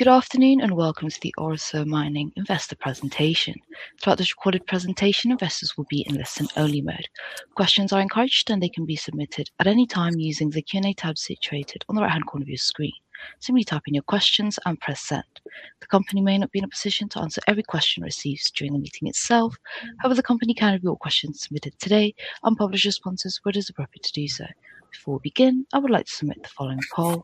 Good afternoon and welcome to the Orosur Mining investor presentation. Throughout this recorded presentation, investors will be in listen-only mode. Questions are encouraged, and they can be submitted at any time using the Q&A tab situated on the right-hand corner of your screen. Simply type in your questions and press send. The company may not be in a position to answer every question received during the meeting itself. However, the company can review all questions submitted today and publish responses where it is appropriate to do so. Before we begin, I would like to submit the following poll.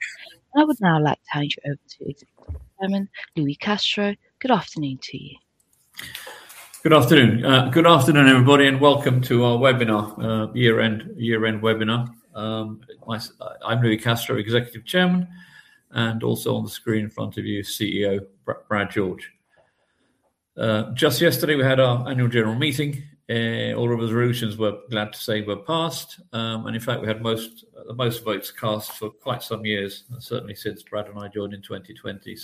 I would now like to hand you over to Non-Executive Chairman Louis Castro. Good afternoon to you. Good afternoon everybody, and welcome to our year-end webinar. I'm Louis Castro, Executive Chairman, and also on the screen in front of you, CEO Brad George. Just yesterday, we had our annual general meeting. All of the resolutions we're glad to say, were passed. In fact, we had the most votes cast for quite some years, and certainly since Brad and I joined in 2020.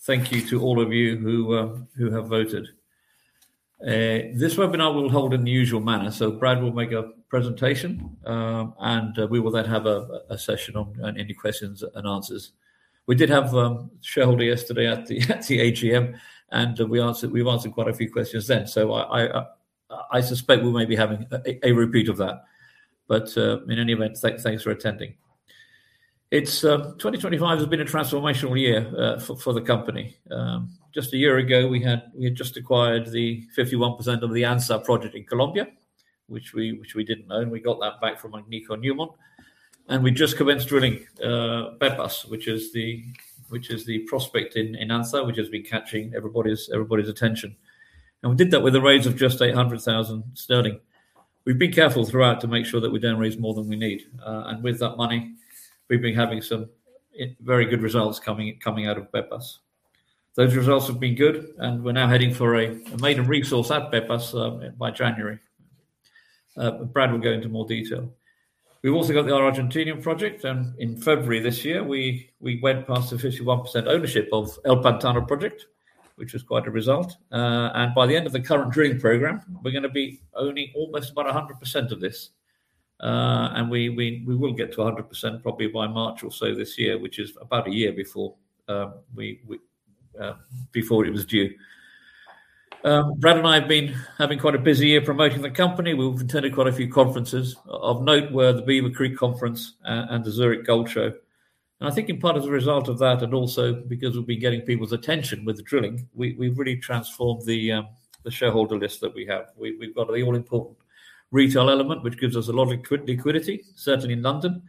Thank you to all of you who have voted. This webinar we'll hold in the usual manner. Brad will make a presentation, and we will then have a session on any questions and answers. We did have shareholders yesterday at the AGM, and we've answered quite a few questions then. I suspect we may be having a repeat of that. In any event, thanks for attending. It's 2025 has been a transformational year for the company. Just a year ago, we had just acquired the 51% of the Anzá project in Colombia, which we didn't own. We got that back from Agnico Eagle. We just commenced drilling Pepas, which is the prospect in Anzá, which has been catching everybody's attention. We did that with a raise of just 800,000 sterling. We've been careful throughout to make sure that we don't raise more than we need. With that money, we've been having some very good results coming out of Pepas. Those results have been good, and we're now heading for a maiden resource at Pepas by January. Brad will go into more detail. We've also got the Argentine project, and in February this year, we went past the 51% ownership of El Pantano project, which was quite a result. By the end of the current drilling program, we're gonna be owning almost about 100% of this. We will get to 100% probably by March or so this year, which is about a year before it was due. Brad and I have been having quite a busy year promoting the company. We've attended quite a few conferences. Of note were the Beaver Creek Conference and the Zurich Gold Show. I think in part as a result of that, and also because we've been getting people's attention with the drilling, we've really transformed the shareholder list that we have. We've got the all-important retail element, which gives us a lot of liquidity, certainly in London.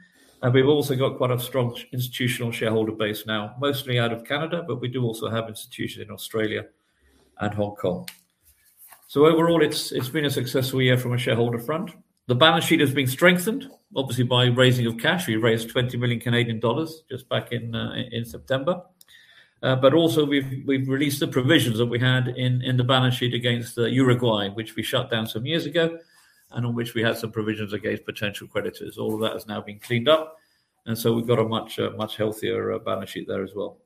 We've also got quite a strong institutional shareholder base now, mostly out of Canada, but we do also have institutions in Australia and Hong Kong. Overall, it's been a successful year from a shareholder front. The balance sheet has been strengthened, obviously by raising of cash. We raised 20 million Canadian dollars just back in September. But also we've released the provisions that we had in the balance sheet against Uruguay, which we shut down some years ago, and on which we had some provisions against potential creditors. All of that has now been cleaned up, and we've got a much, much healthier balance sheet there as well.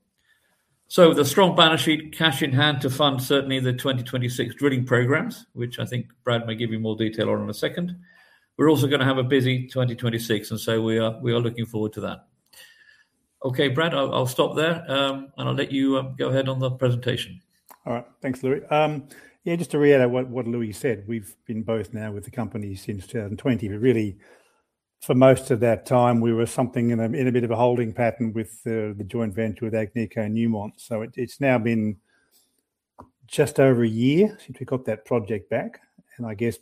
The strong balance sheet, cash in hand to fund certainly the 2026 drilling programs, which I think Brad may give you more detail on in a second. We're also gonna have a busy 2026, and we are looking forward to that. Okay Brad, I'll stop there, and I'll let you go ahead on the presentation. All right. Thanks, Louis. Yeah, just to reiterate what Louis said, we've been both now with the company since 2020. Really, for most of that time, we were something in a bit of a holding pattern with the joint venture with Agnico Eagle. It's now been just over a year since we got that project back. I guess,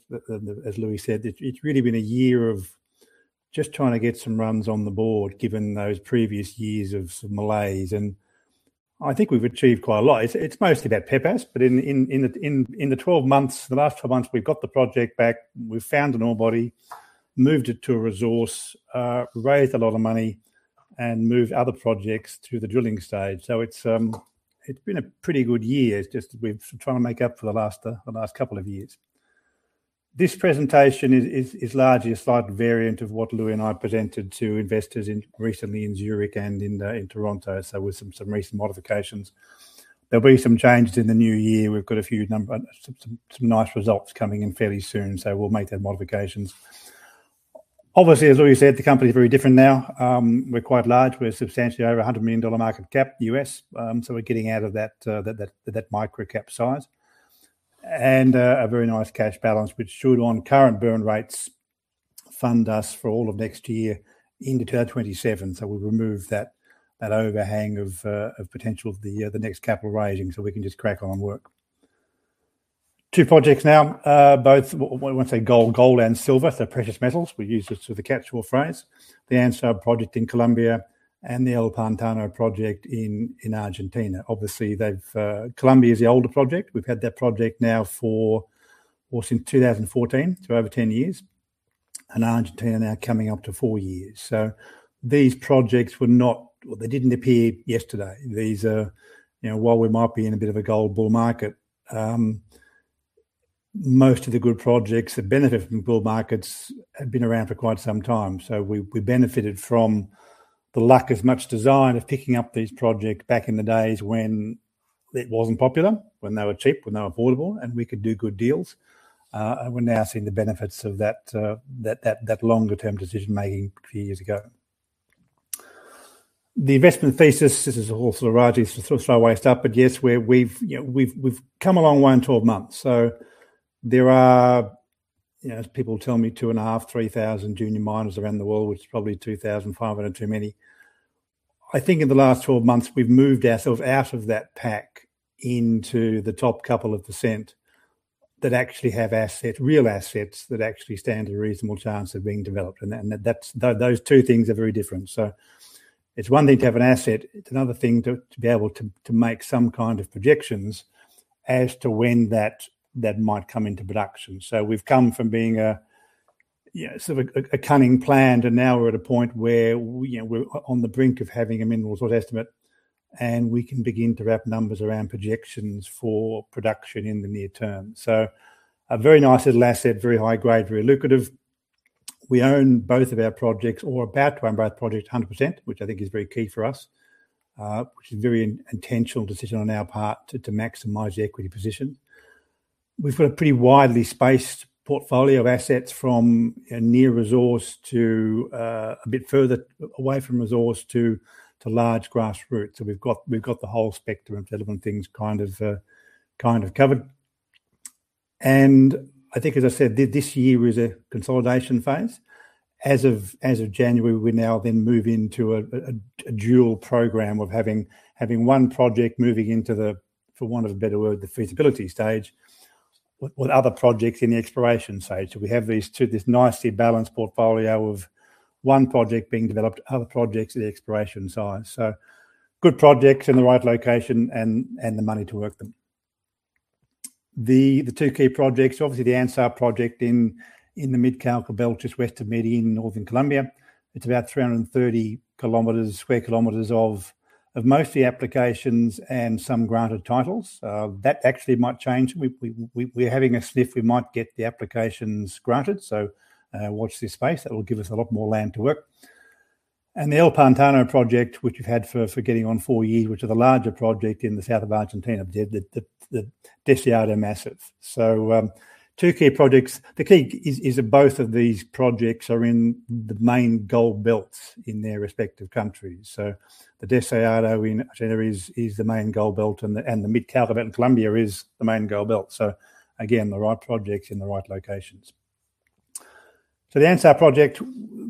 as Louis said, it's really been a year of just trying to get some runs on the board, given those previous years of malaise. I think we've achieved quite a lot. It's mostly about Pepas but in the last 12 months, we've got the project back, we've found an ore body, moved it to a resource, raised a lot of money, and moved other projects to the drilling stage. It's been a pretty good year. It's just we're trying to make up for the last couple of years. This presentation is largely a slight variant of what Louis and I presented to investors recently in Zurich and in Toronto. With some recent modifications. There'll be some changes in the new year. We've got some nice results coming in fairly soon, so we'll make them modifications. Obviously, as Louis said, the company is very different now. We're quite large. We're substantially over $100 million market cap. We're getting out of that micro-cap size. A very nice cash balance, which should, on current burn rates, fund us for all of next year into 2027. We'll remove that overhang of potential the next capital raising, so we can just crack on work. Two projects now, both want to say gold and silver. They're precious metals. We use it as a catch-all phrase. The Anzá project in Colombia and the El Pantano project in Argentina. Obviously, Colombia is the older project. We've had that project now for what, since 2014, so over 10 years. Argentina now coming up to four years. These projects were not. Well, they didn't appear yesterday. These, you know, while we might be in a bit of a gold bull market, most of the good projects that benefit from bull markets have been around for quite some time. We benefited from the luck as much as design of picking up these projects back in the days when it wasn't popular when they were cheap, when they were affordable, and we could do good deals. We're now seeing the benefits of that longer-term decision-making a few years ago. The investment thesis this is all sort of rocky, sort of throw away stuff, but yes, we've, you know, we've come a long way in 12 months. There are, you know, as people tell me, 2,500 to 3,000 junior miners around the world, which is probably 2,500 too many. I think in the last 12 months, we've moved ourselves out of that pack into the top couple of % that actually have asset, real assets that actually stand a reasonable chance of being developed. And that's those two things are very different. It's one thing to have an asset. It's another thing to be able to make some kind of projections as to when that might come into production. We've come from being a you know sort of a cunning plan to now we're at a point where you know we're on the brink of having a mineral resource estimate, and we can begin to wrap numbers around projections for production in the near term. A very nice little asset, very high grade, very lucrative. We own both of our projects or are about to own both projects 100% which I think is very key for us, which is a very intentional decision on our part to maximize the equity position. We've got a pretty widely spaced portfolio of assets from a near resource to a bit further away from resource to large grassroots. We've got the whole spectrum of relevant things kind of covered. I think as I said, this year is a consolidation phase. As of January, we now then move into a dual program of having one project moving into the, for want of a better word, the feasibility stage with other projects in the exploration stage. We have these two, this nicely balanced portfolio of one project being developed, other projects at the exploration stage. Good projects in the right location and the money to work them. The two key projects, obviously, the Anzá Project in the Mid-Cauca Belt, just west of Medellín, northern Colombia. It's about 330 square kilometers of mostly applications and some granted titles. That actually might change. We're having a sniff. We might get the applications granted. Watch this space. That will give us a lot more land to work. The El Pantano Project, which we've had for getting on four years, which is a larger project in the south of Argentina, the Deseado Massif. Two key projects. The key is that both of these projects are in the main gold belts in their respective countries. The Deseado in Argentina is the main gold belt and the Mid-Cauca Belt in Colombia is the main gold belt. Again, the right projects in the right locations. The Anzá project,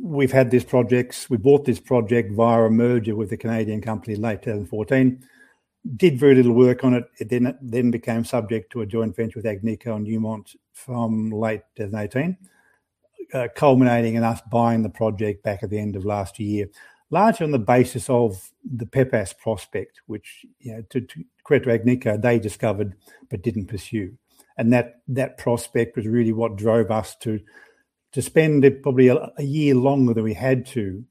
we've had this project. We bought this project via a merger with a Canadian company in late 2014. Did very little work on it. It then became subject to a joint venture with Agnico and Newmont from late 2018, culminating in us buying the project back at the end of last year. Largely on the basis of the Pepas prospect, which you know, to credit to Agnico, they discovered but didn't pursue. That prospect was really what drove us to spend probably a year longer than we had to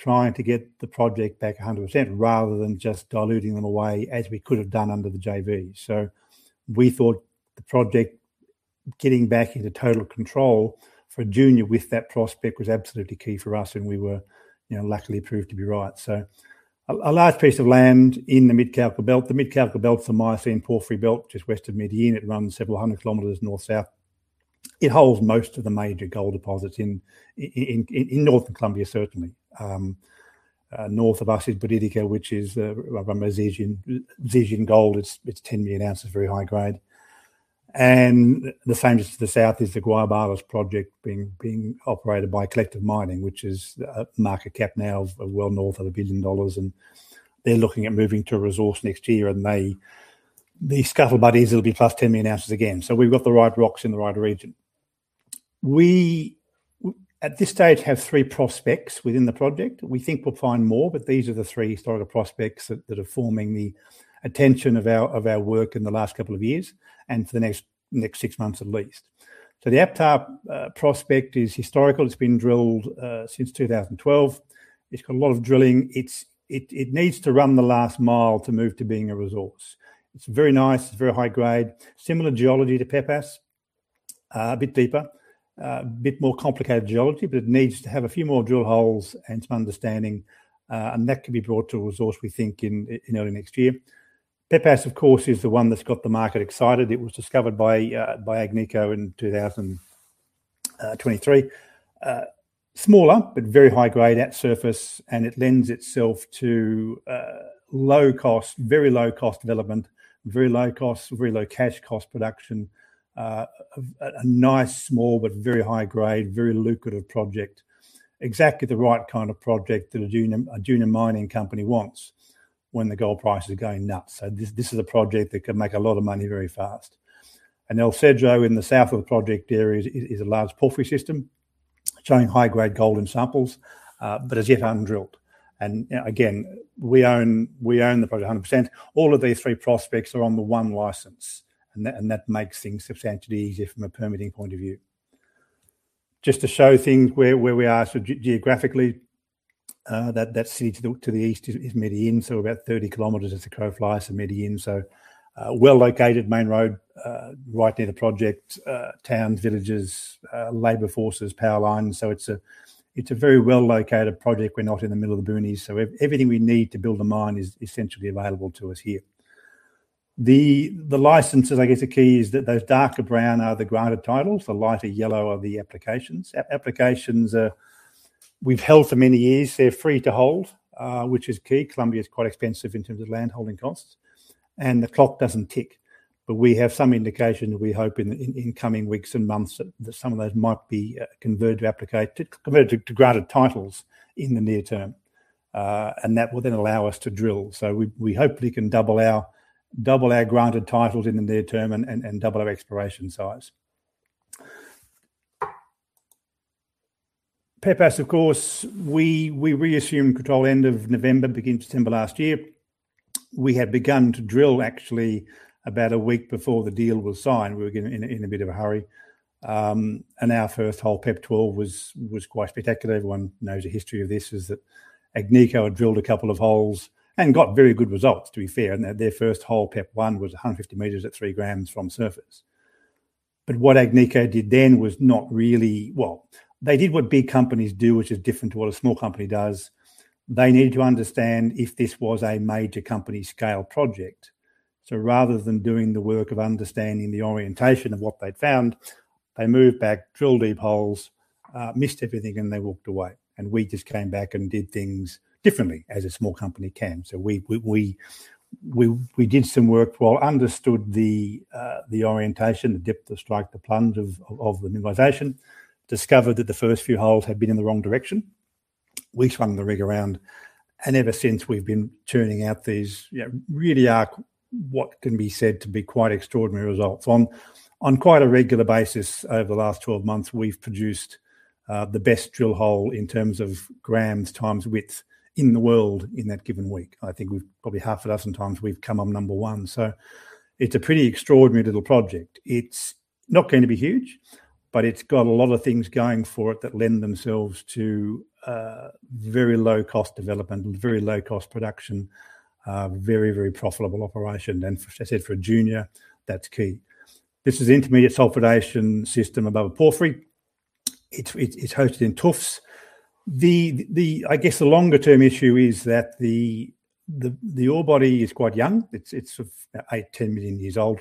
trying to get the project back a hundred percent rather than just diluting them away as we could have done under the JV. We thought the project getting back into total control for a junior with that prospect was absolutely key for us, and we were luckily proved to be right. A large piece of land in the Mid-Cauca belt. The Mid-Cauca belt's a Miocene porphyry belt just west of Medellín. It runs several hundred kilometers north-south. It holds most of the major gold deposits in northern Colombia, certainly. North of us is Buritica, which is, if I remember, Zijin Gold. It's 10 million ounces, very high-grade. The famous to the south is the Guayabales project being operated by Collective Mining, which is a market cap now of well north of $1 billion, and they're looking at moving to resource next year. They sulfide bodies, it'll be 10 million ounces again. We've got the right rocks in the right region. We at this stage have three prospects within the project. We think we'll find more, but these are the three historical prospects that are forming the attention of our work in the last couple of years and for the next six months at least. The APTA prospect is historical. It's been drilled since 2012. It's got a lot of drilling. It needs to run the last mile to move to being a resource. It's very nice. It's very high-grade. Similar geology to Pepas, a bit deeper, a bit more complicated geology, but it needs to have a few more drill holes and some understanding, and that can be brought to a resource we think in early next year. Pepas, of course, is the one that's got the market excited. It was discovered by Agnico in 2023. Smaller but very high-grade at surface, and it lends itself to low cost, very low-cost development, very low cost, very low cash cost production. A nice small but very high-grade, very lucrative project. Exactly the right kind of project that a junior mining company wants when the gold price is going nuts. This is a project that can make a lot of money very fast. El Cedro in the south of the project area is a large porphyry system showing high-grade gold in samples, but as yet undrilled. You know, again, we own the project 100%. All of these three prospects are on the one license, and that makes things substantially easier from a permitting point of view. Just to show things where we are. Geographically, that city to the east is Medellín, so about 30 kilometers as the crow flies to Medellín. Well-located main road right near the project. Towns, villages, labor forces, power lines. It's a very well-located project. We're not in the middle of the boonies. Everything we need to build a mine is essentially available to us here. The licenses, I guess the key is that those darker brown are the granted titles. The lighter yellow are the applications. Applications we've held for many years. They're free to hold, which is key. Colombia is quite expensive in terms of landholding costs, and the clock doesn't tick. We have some indication, we hope in coming weeks and months that some of those might be converted to granted titles in the near term. That will then allow us to drill. We hopefully can double our granted titles in the near term and double our exploration size. Pepas, of course, we reassumed control end of November, beginning September last year. We had begun to drill actually about a week before the deal was signed. We were getting in a bit of a hurry. Our first hole, Pep-twelve, was quite spectacular. Everyone knows the history of this is that Agnico had drilled a couple of holes and got very good results, to be fair, in that their first hole, PEP-001, was 150 meters at 3 grams from surface. What Agnico did then was not really. Well, they did what big companies do, which is different to what a small company does. They needed to understand if this was a major company scale project. Rather than doing the work of understanding the orientation of what they'd found, they moved back, drilled deep holes, missed everything, and they walked away. We just came back and did things differently, as a small company can. We did some work, understood the orientation, the depth of strike, the plunge of the mineralization. Discovered that the first few holes had been in the wrong direction. We swung the rig around, and ever since we've been churning out these, you know, really are what can be said to be quite extraordinary results. On quite a regular basis over the last 12 months, we've produced the best drill hole in terms of grams times width in the world in that given week. I think we've probably half a dozen times come up number one, so it's a pretty extraordinary little project. It's not gonna be huge, but it's got a lot of things going for it that lend themselves to very low cost development and very low cost production. Very profitable operation. As I said, for a junior, that's key. This is intermediate sulfidation system above a porphyry. It's hosted in tuffs. I guess the longer term issue is that the ore body is quite young. It's 8 to 10 million years old.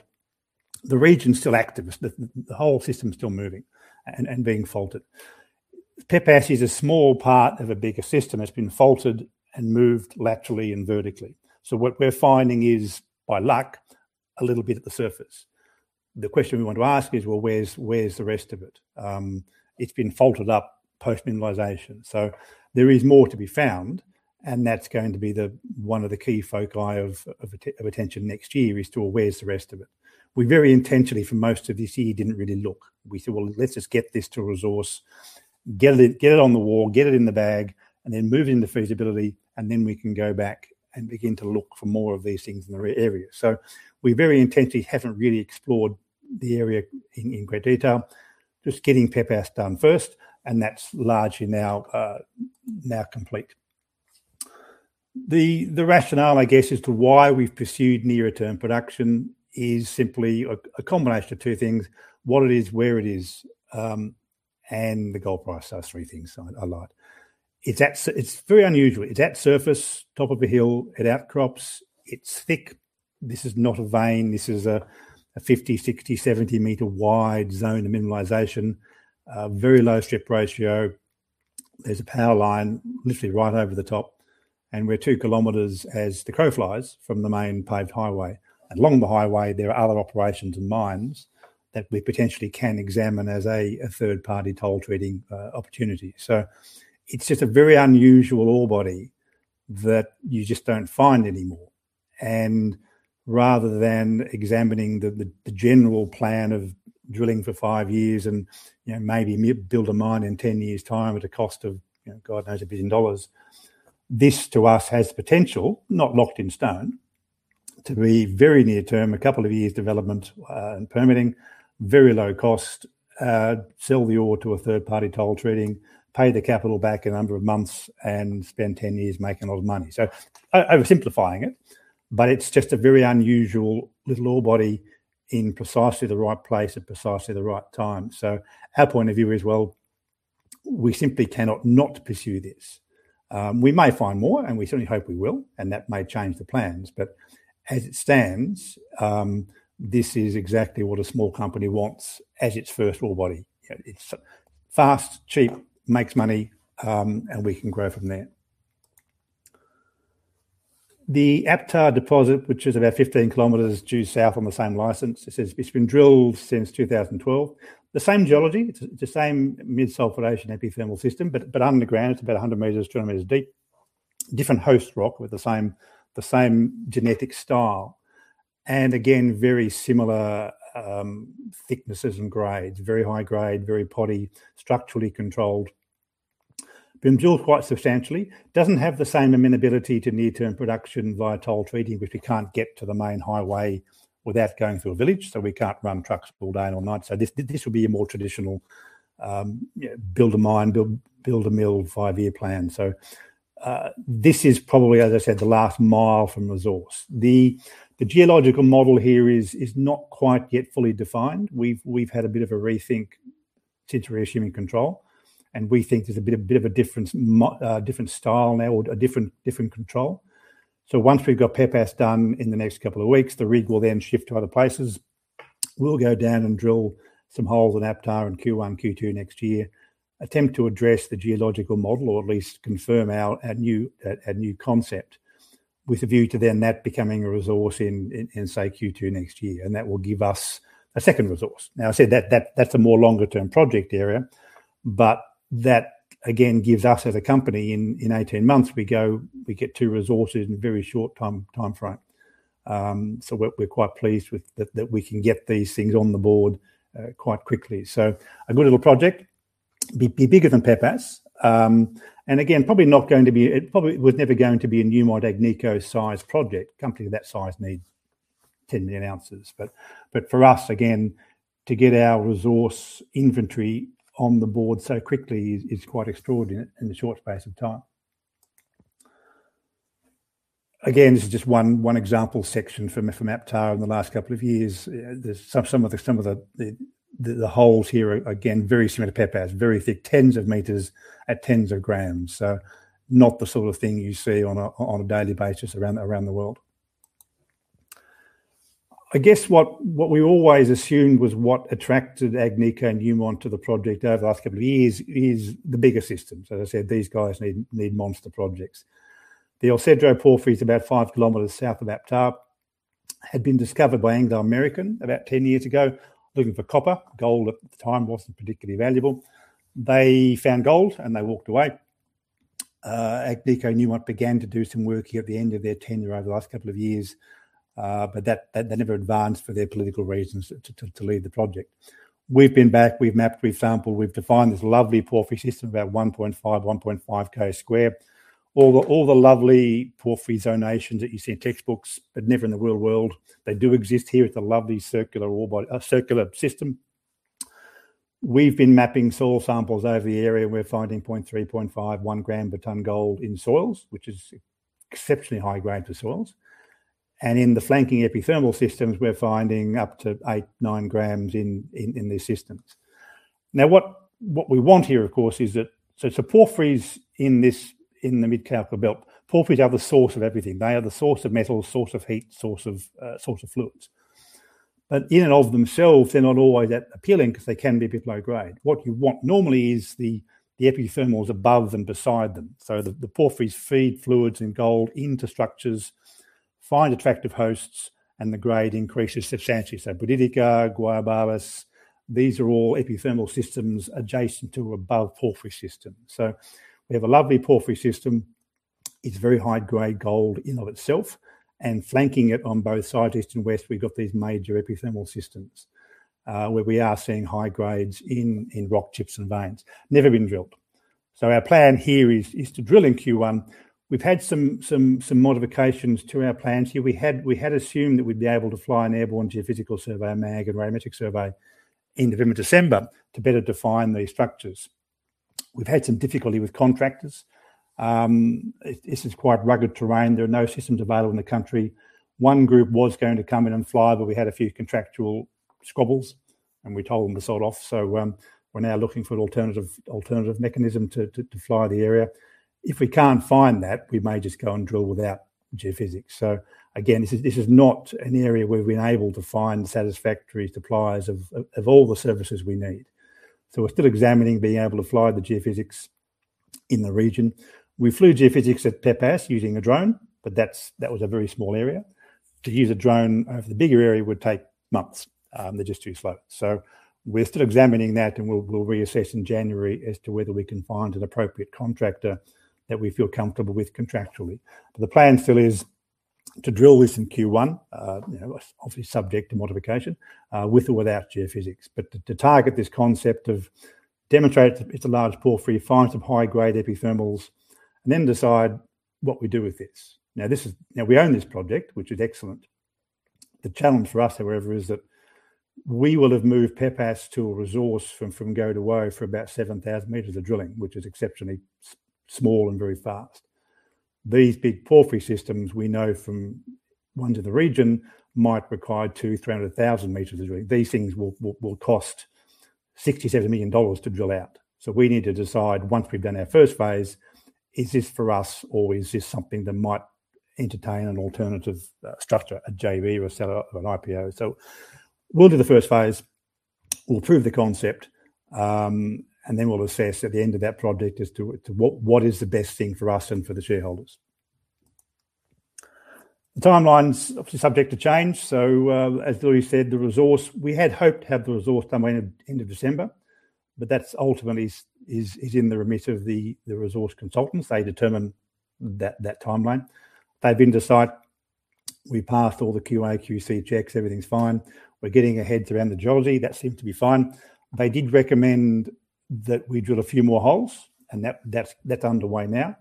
The region's still active. The whole system's still moving and being faulted. Pepas is a small part of a bigger system that's been faulted and moved laterally and vertically. What we're finding is, by luck, a little bit at the surface. The question we want to ask is, "Well, where's the rest of it?" It's been faulted up post-mineralization. There is more to be found, and that's going to be one of the key foci of attention next year is to where's the rest of it. We very intentionally for most of this year didn't really look. We said, "Well, let's just get this to a resource. Get it on the wall, get it in the bag, and then move into feasibility, and then we can go back and begin to look for more of these things in the area." We very intentionally haven't really explored the area in great detail. Just getting Pepas done first, and that's largely now complete. The rationale, I guess, as to why we've pursued near-term production is simply a combination of two things, what it is, where it is, and the gold price. Those three things say a lot. It's very unusual. It's at surface, top of a hill. It outcrops. It's thick. This is not a vein. This is a 50, 60, 70-meter wide zone of mineralization. Very low strip ratio. There's a power line literally right over the top, and we're 2 km as the crow flies from the main paved highway. Along the highway, there are other operations and mines that we potentially can examine as a third-party toll treatment opportunity. It's just a very unusual ore body that you just don't find anymore. Rather than examining the general plan of drilling for five years and, you know, maybe build a mine in 10 years' time at a cost of, you know, God knows, $1 billion. This, to us, has potential, not locked in stone, to be very near term, a couple of years development, and permitting. Very low cost. Sell the ore to a third party toll treating, pay the capital back in a number of months, and spend 10 years making a lot of money. Oversimplifying it, but it's just a very unusual little ore body in precisely the right place at precisely the right time. Our point of view is, well, we simply cannot not pursue this. We may find more, and we certainly hope we will, and that may change the plans. As it stands, this is exactly what a small company wants as its first ore body. You know, it's fast, cheap, makes money, and we can grow from there. The APTA deposit, which is about 15 kilometers due south on the same license. It's been drilled since 2012. The same geology. It's the same mid-sulfidation epithermal system, but underground. It's about 100 meters, 200 meters deep. Different host rock with the same genetic style. Again, very similar thicknesses and grades. Very high grade, very patchy, structurally controlled. Been drilled quite substantially. It doesn't have the same amenability to near-term production via toll treatment because we can't get to the main highway without going through a village, so we can't run trucks all day and all night. This would be a more traditional, you know, build a mine, build a mill 5-year plan. This is probably, as I said, the last mile from resource. The geological model here is not quite yet fully defined. We've had a bit of a rethink since reassuming control. We think there's a bit of a difference, different style now or a different control. Once we've got Pepas done in the next couple of weeks, the rig will then shift to other places. We'll go down and drill some holes in APTA in Q1, Q2 next year, attempt to address the geological model or at least confirm our new concept with a view to then that becoming a resource in say Q2 next year. That will give us a second resource. Now, I said that that's a more longer term project area. That again gives us as a company, in 18 months we get two resources in a very short timeframe. We're quite pleased with that we can get these things on the board quite quickly. A good little project. It'll be bigger than Pepas. And again, probably not going to be. It probably was never going to be a Newmont, Agnico size project. A company of that size needs 10 million ounces. For us again, to get our resource inventory on the board so quickly is quite extraordinary in the short space of time. Again, this is just one example section from APTA in the last couple of years. There's some of the holes here are again very similar to Pepas, very thick. Tens of meters at tens of grams. Not the sort of thing you see on a daily basis around the world. I guess what we always assumed was what attracted Agnico and Newmont to the project over the last couple of years is the bigger systems. As I said, these guys need monster projects. The El Cedro porphyry is about 5 km south of APTA, had been discovered by Anglo American about 10 years ago looking for copper. Gold at the time wasn't particularly valuable. They found gold and they walked away. Agnico and Newmont began to do some work here at the end of their tenure over the last couple of years. But that they never advanced for their political reasons to leave the project. We've been back, we've mapped, we've sampled, we've defined this lovely porphyry system about 1.5K square. All the lovely porphyry zonations that you see in textbooks, but never in the real world, they do exist here. It's a lovely circular orbit, circular system. We've been mapping soil samples over the area. We're finding 0.3, 0.5, 1 gram per tonne gold in soils, which is exceptionally high grade for soils. In the flanking epithermal systems, we're finding up to 8, 9 grams in these systems. Now what we want here of course, is that the porphyries in the Mid-Cauca Belt are the source of everything. They are the source of metal, source of heat, source of fluids. But in and of themselves, they're not always that appealing because they can be a bit low grade. What you want normally is the epithermals above and beside them. The porphyries feed fluids and gold into structures, find attractive hosts, and the grade increases substantially. Buritica, Guayabales, these are all epithermal systems adjacent to or above porphyry systems. We have a lovely porphyry system. It's very high grade gold in and of itself. And flanking it on both sides, east and west, we've got these major epithermal systems, where we are seeing high grades in rock chips and veins, never been drilled. Our plan here is to drill in Q1. We've had some modifications to our plans here. We had assumed that we'd be able to fly an airborne geophysical survey, a mag and radiometric survey in November, December to better define these structures. We've had some difficulty with contractors. This is quite rugged terrain. There are no systems available in the country. One group was going to come in and fly, but we had a few contractual squabbles, and we told them to sod off. We're now looking for an alternative mechanism to fly the area. If we can't find that, we may just go and drill without geophysics. This is not an area where we've been able to find satisfactory suppliers of all the services we need. We're still examining being able to fly the geophysics in the region. We flew geophysics at Pepas using a drone, but that was a very small area. To use a drone over the bigger area would take months. They're just too slow. We're still examining that, and we'll reassess in January as to whether we can find an appropriate contractor that we feel comfortable with contractually. The plan still is to drill this in Q1, you know, obviously subject to modification, with or without geophysics. To target this concept of demonstrate it's a large porphyry, find some high grade epithermals, and then decide what we do with this. Now, we own this project, which is excellent. The challenge for us, however, is that we will have moved Pepas to a resource from go to whoa for about 7,000 meters of drilling, which is exceptionally small and very fast. These big porphyry systems we know from one to the region might require 200,000-300,000 meters of drilling. These things will cost $60-$70 million to drill out. We need to decide once we've done our first phase, is this for us or is this something that might entertain an alternative structure, a JV or a seller or an IPO? We'll do the first phase. We'll prove the concept. Then we'll assess at the end of that project as to what is the best thing for us and for the shareholders. The timeline's obviously subject to change. As Louis said, the resource, we had hoped to have the resource done by end of December. But that's ultimately in the remit of the resource consultants. They determine that timeline. They've been to site. We passed all the QA/QC checks. Everything's fine. We're getting our heads around the geology. That seems to be fine. They did recommend that we drill a few more holes, and that's underway now.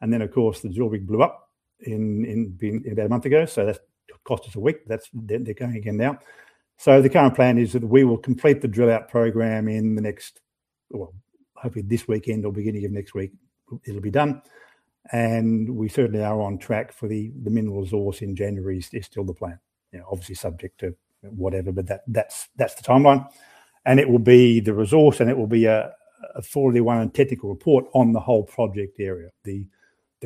Of course, the drill bit blew up in about a month ago. That cost us a week. They're going again now. The current plan is that we will complete the drill out program in the next. Well, hopefully this weekend or beginning of next week, it'll be done. We certainly are on track for the mineral resource in January. That's still the plan. You know, obviously subject to whatever, but that's the timeline. It will be the resource, and it will be a NI 43-101 technical report on the whole project area. The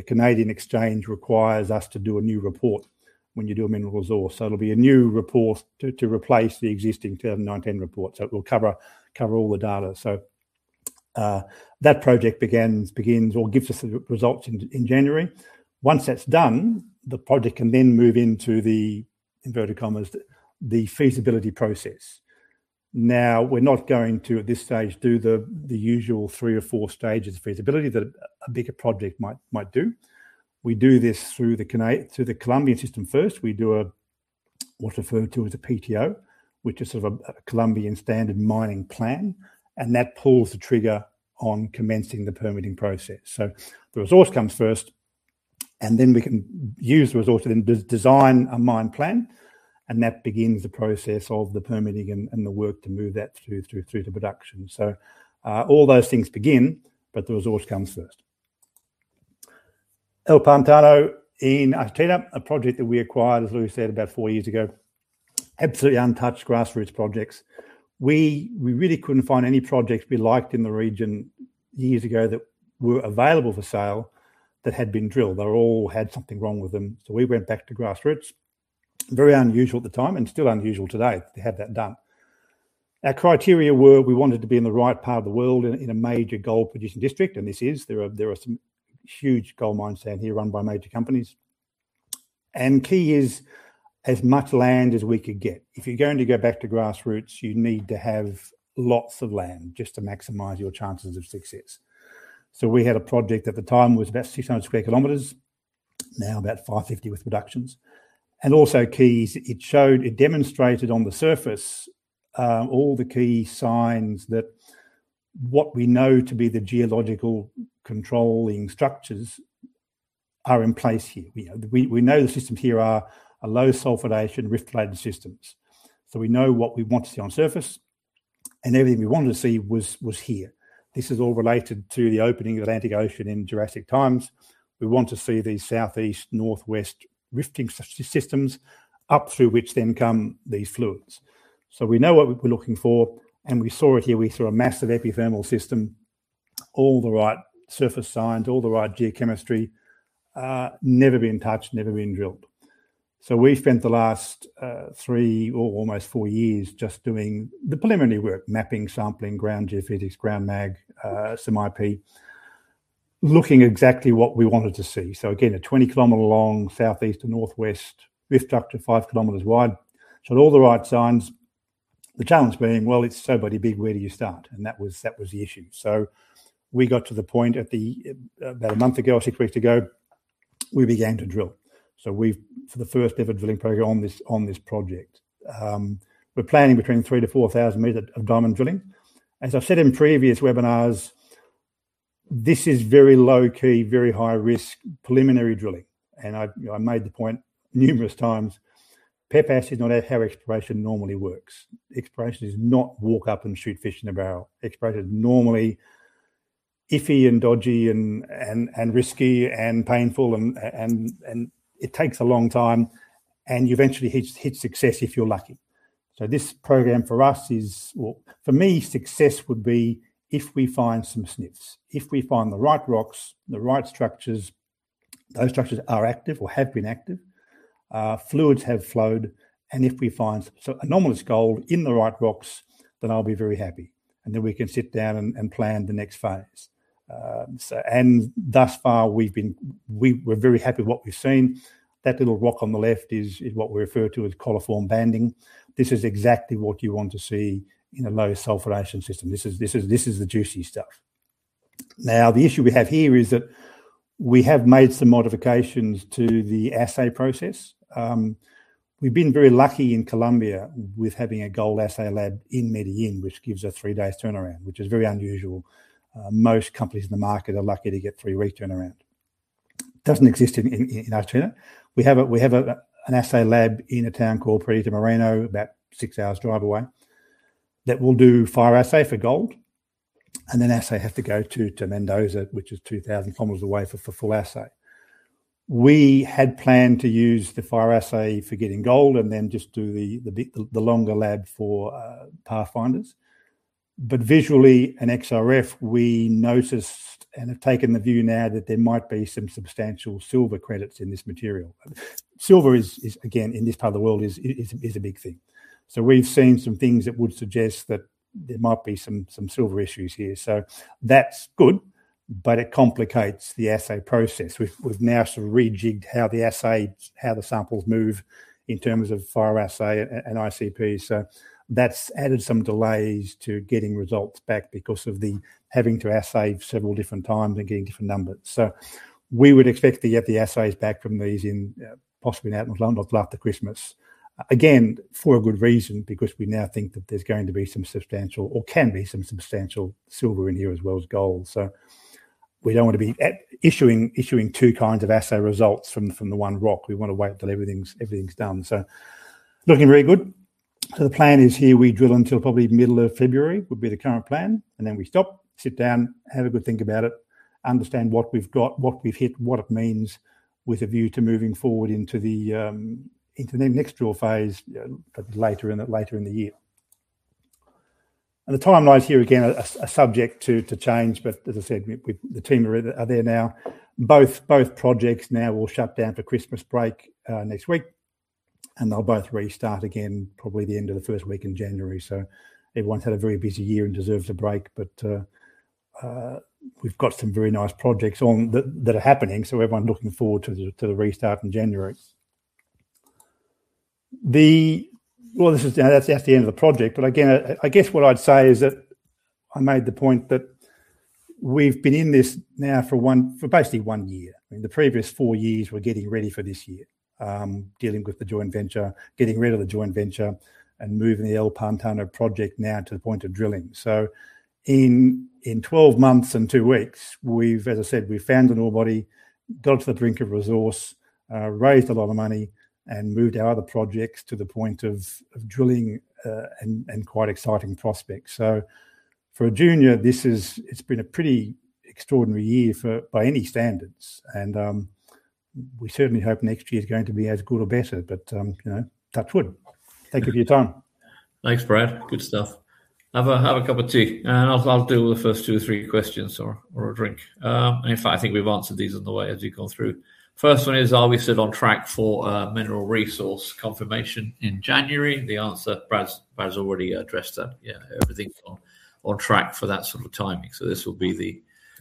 Canadian exchange requires us to do a new report when you do a mineral resource. It'll be a new report to replace the existing NI 43-101 report, so it will cover all the data. That project begins or gives us the results in January. Once that's done, the project can then move into the inverted commas the feasibility process. Now, we're not going to at this stage do the usual three or four stages of feasibility that a bigger project might do. We do this through the Colombian system first. We do a what's referred to as a PTO, which is sort of a Colombian standard mining plan, and that pulls the trigger on commencing the permitting process. The resource comes first, and then we can use the resource to then design a mine plan, and that begins the process of the permitting and the work to move that through to production. All those things begin. The resource comes first. El Pantano in Argentina, a project that we acquired, as Louis said, about four years ago. Absolutely untouched grassroots projects. We really couldn't find any projects we liked in the region years ago that were available for sale that had been drilled. They all had something wrong with them, so we went back to grassroots. Very unusual at the time, and still unusual today to have that done. Our criteria were we wanted to be in the right part of the world in a major gold producing district, and this is. There are some huge gold mines down here run by major companies. Key is as much land as we could get. If you're going to go back to grassroots, you need to have lots of land just to maximize your chances of success. We had a project at the time was about 600 sq km, now about 550 with reductions. Also key is it showed, it demonstrated on the surface, all the key signs that what we know to be the geological controlling structures are in place here. You know, we know the systems here are low-sulphidation rift-related systems. We know what we want to see on surface, and everything we wanted to see was here. This is all related to the opening of the Atlantic Ocean in Jurassic times. We want to see these southeast, northwest rifting systems, up through which then come these fluids. We know what we're looking for, and we saw it here. We saw a massive epithermal system, all the right surface signs, all the right geochemistry. Never been touched, never been drilled. We spent the last three or almost 4 years just doing the preliminary work. Mapping, sampling, ground geophysics, ground mag, some IP. Looking exactly what we wanted to see. Again, a 20-kilometer-long southeast to northwest rift structure, 5 kilometers wide. Showed all the right signs. The challenge being, well, it's so big, where do you start? That was the issue. We got to the point about a month ago, six weeks ago, we began to drill for the first ever drilling program on this project. We're planning between 3,000-4,000 meters of diamond drilling. As I've said in previous webinars, this is very low-key, very high-risk preliminary drilling. I've, you know, I made the point numerous times, PEP is not how exploration normally works. Exploration is not walk up and shoot fish in a barrel. Exploration is normally iffy and dodgy and risky and painful and it takes a long time, and you eventually hit success if you're lucky. This program for us is. Well, for me, success would be if we find some sniffs. If we find the right rocks, the right structures, those structures are active or have been active, fluids have flowed, and if we find some anomalous gold in the right rocks, then I'll be very happy, and then we can sit down and plan the next phase. Thus far, we're very happy with what we've seen. That little rock on the left is what we refer to as colloform banding. This is exactly what you want to see in a low-sulfidation system. This is the juicy stuff. Now, the issue we have here is that we have made some modifications to the assay process. We've been very lucky in Colombia with having a gold assay lab in Medellín, which gives us three days turnaround, which is very unusual. Most companies in the market are lucky to get three-week turnaround. Doesn't exist in Argentina. We have an assay lab in a town called Perito Moreno, about six hours drive away, that will do fire assay for gold, and then assay have to go to Mendoza, which is 2,000 km away for full assay. We had planned to use the fire assay for getting gold and then just do the longer lab for pathfinders. Visually, in XRF, we noticed and have taken the view now that there might be some substantial silver credits in this material. Silver is again in this part of the world a big thing. We've seen some things that would suggest that there might be some silver issues here. That's good, but it complicates the assay process. We've now sort of rejiggered how the assays, how the samples move in terms of fire assay and ICP. That's added some delays to getting results back because of having to assay several different times and getting different numbers. We would expect to get the assays back from these possibly in about a month after Christmas. Again, for a good reason, because we now think that there's going to be some substantial silver in here as well as gold. We don't wanna be issuing two kinds of assay results from the one rock. We wanna wait until everything's done. Looking very good. The plan is here we drill until probably middle of February, would be the current plan. Then we stop, sit down, have a good think about it, understand what we've got, what we've hit, and what it means with a view to moving forward into the next drill phase later in the year. The timelines here, again, are subject to change. As I said, the team are there now. Both projects now will shut down for Christmas break next week. They'll both restart again probably the end of the first week in January. Everyone's had a very busy year and deserves a break. We've got some very nice projects on that are happening, so everyone looking forward to the restart in January. That's the end of the project. Again, I guess what I'd say is that I made the point that we've been in this now for basically one year. I mean, the previous four years we were getting ready for this year. Dealing with the joint venture, getting rid of the joint venture, and moving the El Pantano project now to the point of drilling. In 12 months and two weeks, as I said, we've found an ore body, got to the brink of resource, raised a lot of money, and moved our other projects to the point of drilling and quite exciting prospects. For a junior, this is, it's been a pretty extraordinary year by any standards. We certainly hope next year's going to be as good or better. You know, touch wood. Thank you for your time. Thanks, Brad. Good stuff. Have a cup of tea, and I'll do the first two or three questions or a drink. In fact, I think we've answered these on the way as we go through. First one is, are we still on track for a mineral resource confirmation in January? The answer, Brad's already addressed that. Yeah, everything's on track for that sort of timing. This will be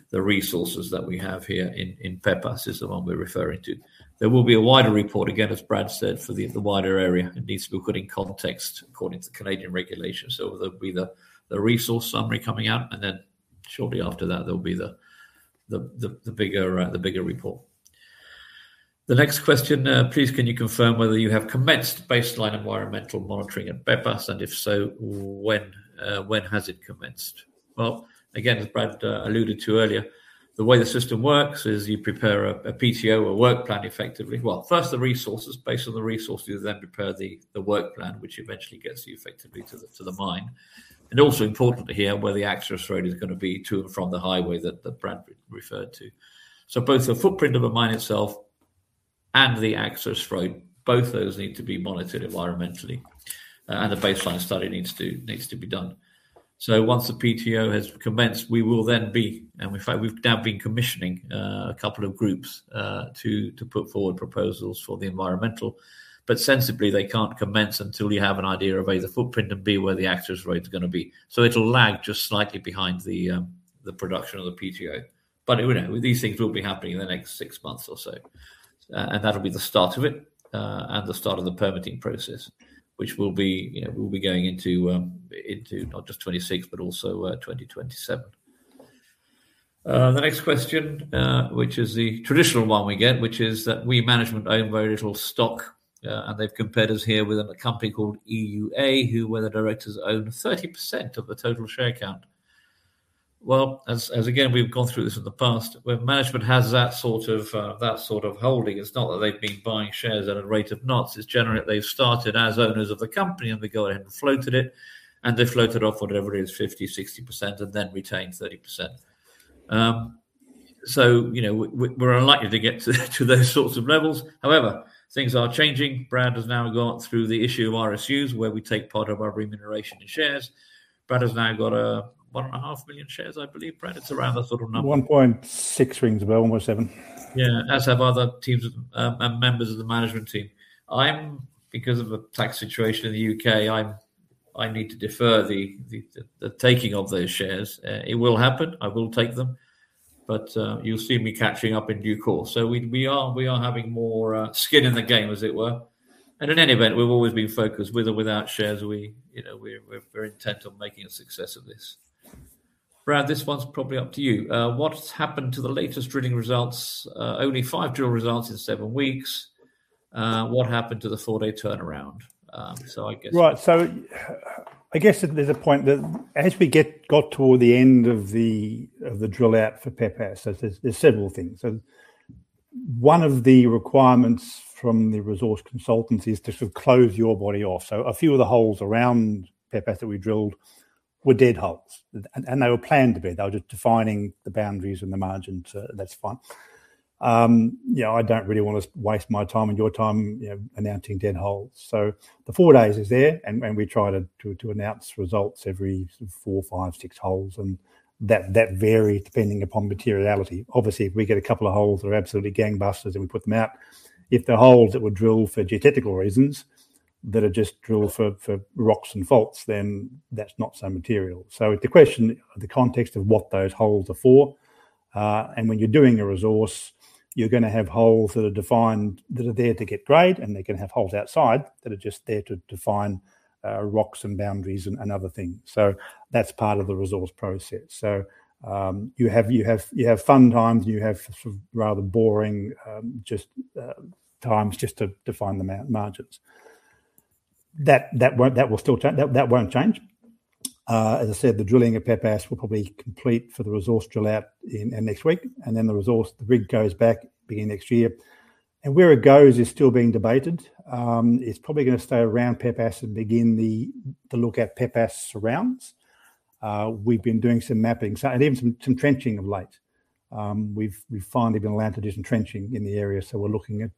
the resources that we have here in Pepas is the one we're referring to. There will be a wider report, again, as Brad said, for the wider area. It needs to be put in context according to Canadian regulations. There'll be the resource summary coming out, and then shortly after that, there'll be the bigger report. The next question, please can you confirm whether you have commenced baseline environmental monitoring at Pepas? And if so, when has it commenced? Well, again, as Brad alluded to earlier, the way the system works is you prepare a PTO, a work plan effectively. Well, first the resources. Based on the resources, you then prepare the work plan, which eventually gets you effectively to the mine. Also importantly here, where the access road is gonna be to and from the highway that Brad referred to. So both the footprint of a mine itself and the access road, both those need to be monitored environmentally. And the baseline study needs to be done. So once the PTO has commenced, we will then be... In fact, we've now been commissioning a couple of groups to put forward proposals for the environmental. Sensibly, they can't commence until you have an idea of, A, the footprint and, B, where the access road's gonna be. It'll lag just slightly behind the production of the PTO. Who knows? These things will be happening in the next six months or so. That'll be the start of it, and the start of the permitting process. Which will be, you know, we'll be going into not just 2026, but also 2027. The next question, which is the traditional one we get, which is that our management own very little stock. They've compared us here with a company called EUA where the directors own 30% of the total share count. Well, as again, we've gone through this in the past, where management has that sort of holding. It's not that they've been buying shares at a rate of knots. It's generally they've started as owners of the company, and they go ahead and floated it. They floated off whatever it is, 50%-60% and then retained 30%. You know, we're unlikely to get to those sorts of levels. However, things are changing. Brad has now gone through the issue of RSUs where we take part of our remuneration in shares. Brad has now got 1.5 million shares, I believe, Brad. It's around that sort of number. 1.6 rings a bell, almost seven. Yeah. As have other teams of members of the management team. I'm, because of the tax situation in the U.K., I need to defer the taking of those shares. It will happen. I will take them. You'll see me catching up in due course. We are having more skin in the game, as it were. In any event, we've always been focused. With or without shares, we, you know, we're very intent on making a success of this. Brad, this one's probably up to you. What's happened to the latest drilling results? Only five drill results in seven weeks. What happened to the four-day turnaround? I guess- Right. I guess there's a point that as we get toward the end of the drill out for Pepas, there's several things. One of the requirements from the resource consultants is to sort of close your body off. A few of the holes around Pepas that we drilled were dead holes. They were planned to be. They were just defining the boundaries and the margins. That's fine. You know, I don't really wanna waste my time and your time, you know, announcing dead holes. The four days is there. We try to announce results every sort of four, five, six holes, and that varies depending upon materiality. Obviously, if we get a couple of holes that are absolutely gangbusters, then we put them out. If they're holes that were drilled for geotechnical reasons that are just drilled for rocks and faults, then that's not so material. The question, the context of what those holes are for, and when you're doing a resource, you're gonna have holes that are defined, that are there to get grade, and they can have holes outside that are just there to define rocks and boundaries and other things. That's part of the resource process. You have fun times, and you have sort of rather boring times just to define the margins. That will still take. That won't change. As I said, the drilling at Pepas will probably complete for the resource drill out in next week. The resource, the rig goes back beginning next year. Where it goes is still being debated. It's probably gonna stay around Pepas and to look at Pepas surrounds. We've been doing some mapping, and even some trenching of late. We've finally been allowed to do some trenching in the area, so we're looking at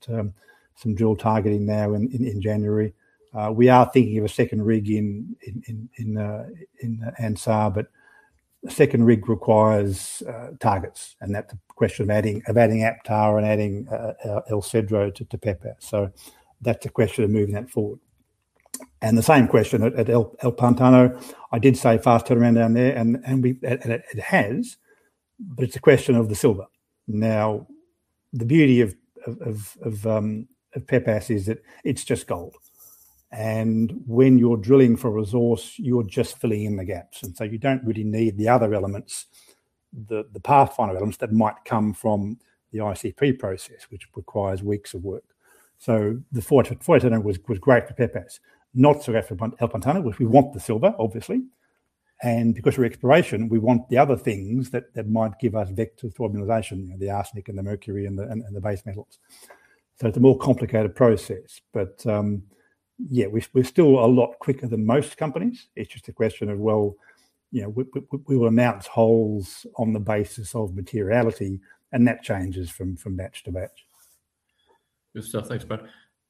some drill targeting now in January. We are thinking of a second rig in Anzá, but a second rig requires targets. That's a question of adding APTA and adding El Cedro to Pepas. That's a question of moving that forward. The same question at El Pantano. I did say fast turnaround down there and it has, but it's a question of the silver. Now, the beauty of Pepas is that it's just gold. When you're drilling for resource, you're just filling in the gaps. You don't really need the other elements, the pathfinder elements that might come from the ICP process, which requires weeks of work. The fortunate was great for Pepas. Not so great for El Pantano, which we want the silver, obviously. Because we're exploration, we want the other things that might give us vector formulation, you know, the arsenic and the mercury and the base metals. It's a more complicated process. We're still a lot quicker than most companies. It's just a question of, well, you know, we will announce holes on the basis of materiality, and that changes from batch to batch. Good stuff. Thanks, Brad.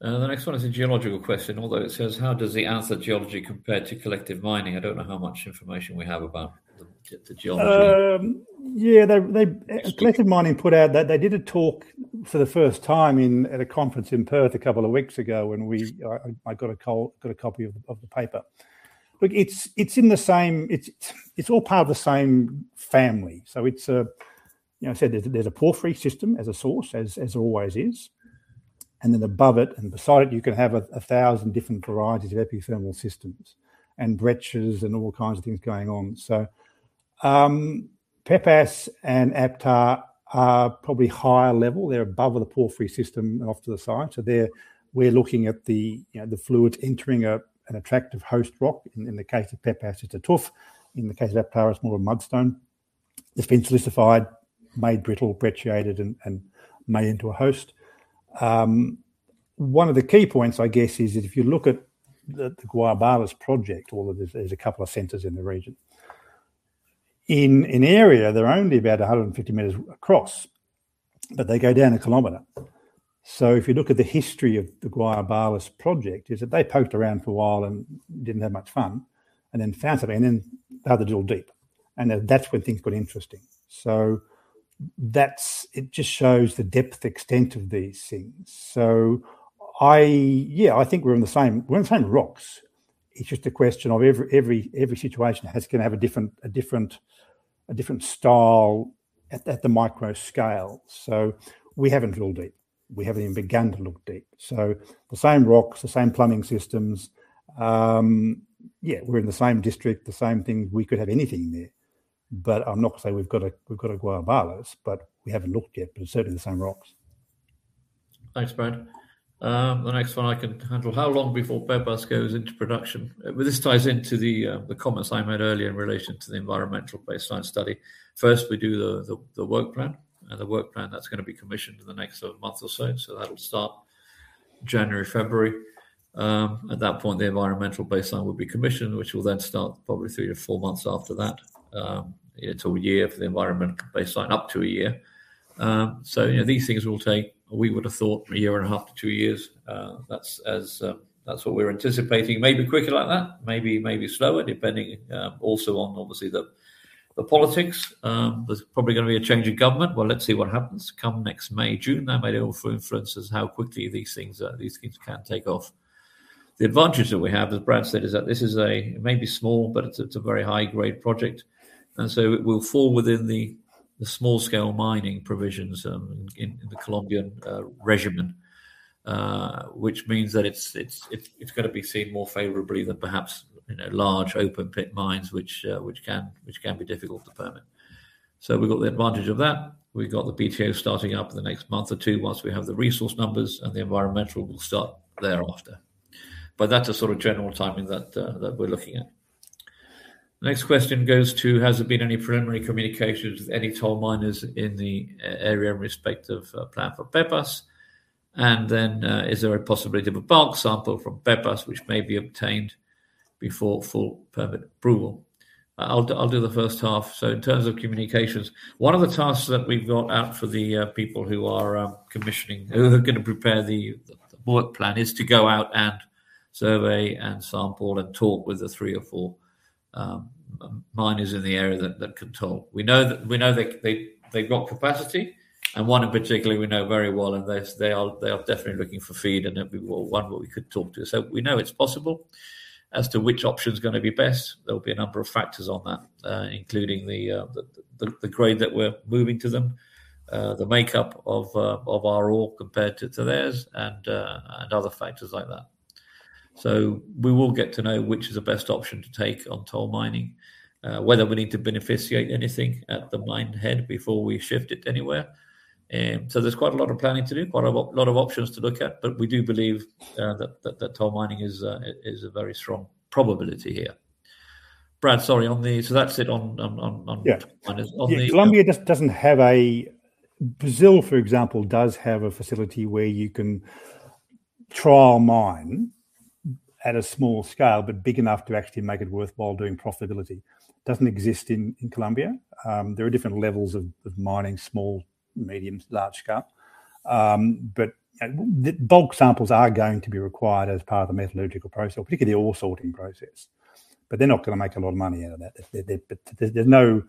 The next one is a geological question, although it says, "How does the Anzá geology compare to Collective Mining?" I don't know how much information we have about the geology. Yeah. They Just- Collective Mining put out. They did a talk for the first time at a conference in Perth a couple of weeks ago, and I got a copy of the paper. Look, it's in the same, it's all part of the same family. It's, you know, I said there's a porphyry system as a source as there always is. Then above it and beside it, you can have a thousand different varieties of epithermal systems and breccias and all kinds of things going on. Pepas and APTA are probably higher level. They're above the porphyry system and off to the side. They're we're looking at the, you know, the fluids entering an attractive host rock. In the case of Pepas, it's a tuff. In the case of APTA, it's more a mudstone. It's been silicified, made brittle, brecciated, and made into a host. One of the key points, I guess, is that if you look at the Guayabales project, all of this, there's a couple of centers in the region. In area, they're only about 150 meters across, but they go down a kilometer. If you look at the history of the Guayabales project, they poked around for a while and didn't have much fun, and then found something and then had to drill deep. That's when things got interesting. It just shows the depth extent of these things. Yeah, I think we're in the same rocks. It's just a question of every situation can have a different style at the micro scale. We haven't drilled deep. We haven't even begun to look deep. The same rocks, the same plumbing systems. Yeah, we're in the same district, the same thing. We could have anything there. I'm not gonna say we've got a Guayabales, but we haven't looked yet. It's certainly the same rocks. Thanks, Brad. The next one I can handle. How long before Pepas goes into production? Well, this ties into the comments I made earlier in relation to the environmental baseline study. First, we do the work plan. The work plan, that's gonna be commissioned in the next sort of month or so. That'll start January, February. At that point, the environmental baseline will be commissioned, which will then start probably 3-4 months after that. It's 1 year for the environmental baseline, up to 1 year. You know, these things will take, we would have thought a year and a half to two years. That's what we're anticipating. Maybe quicker like that, maybe slower, depending also on obviously the politics. There's probably gonna be a change in government. Well, let's see what happens come next May, June. That may all influence how quickly these things can take off. The advantage that we have, as Brad said, is that this is a, it may be small, but it's a very high-grade project. It will fall within the small scale mining provisions in the Colombian regime. Which means that it's gonna be seen more favorably than perhaps, you know, large open-pit mines, which can be difficult to permit. So we've got the advantage of that. We've got the PTO starting up in the next month or two once we have the resource numbers, and the environmental will start thereafter. That's the sort of general timing that we're looking at. Next question goes to, "Has there been any preliminary communications with any toll miners in the area in respect of plan for Pepas?" And then, "Is there a possibility of a bulk sample from Pepas which may be obtained before full permit approval?" I'll do the first half. In terms of communications, one of the tasks that we've got out for the people who are commissioning, who are gonna prepare the work plan, is to go out and survey and sample and talk with the three or four miners in the area that can toll. We know they've got capacity, and one in particular we know very well, and they are definitely looking for feed, and it'll be one where we could talk to. We know it's possible. As to which option is gonna be best, there'll be a number of factors on that, including the grade that we're moving to them, the makeup of our ore compared to theirs, and other factors like that. We will get to know which is the best option to take on toll mining, whether we need to beneficiate anything at the mine head before we shift it anywhere. There's quite a lot of planning to do, quite a lot of options to look at. We do believe that toll mining is a very strong probability here. Brad, sorry, on the. That's it on Yeah... on the- Yeah. Colombia just doesn't have. Brazil, for example, does have a facility where you can trial mine at a small scale, but big enough to actually make it worthwhile doing profitability. Doesn't exist in Colombia. There are different levels of mining, small, medium, large scale. The bulk samples are going to be required as part of the metallurgical process, particularly the ore sorting process. They're not gonna make a lot of money out of that.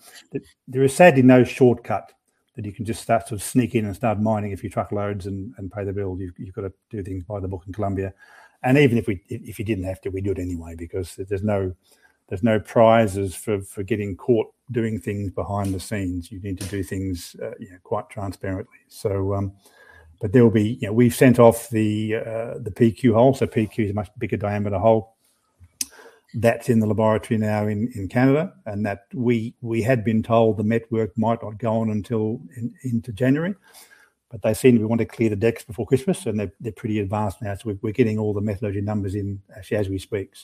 There is sadly no shortcut that you can just start to sneak in and start mining a few truckloads and pay the bills. You've got to do things by the book in Colombia. Even if you didn't have to, we'd do it anyway because there's no prizes for getting caught doing things behind the scenes. You need to do things, you know, quite transparently. You know, we've sent off the PQ hole. PQ is a much bigger diameter hole. That's in the laboratory now in Canada, and we had been told the met work might not go on until into January. They seem to want to clear the decks before Christmas, and they're pretty advanced now, so we're getting all the metallurgy numbers as we speak.